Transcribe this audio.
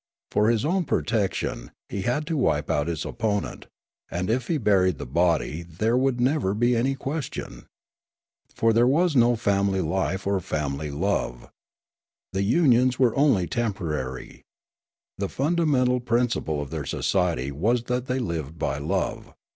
For his own protection he had to wipe out his opponent, and if he buried the bod}' there would never be anj^ question. For there was no family life or famih love. The unions were only temporary. The fundamental prin ciple of their society was that they lived by love.